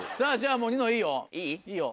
もうニノいいよ。